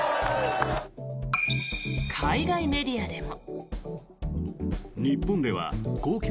海外メディアでも。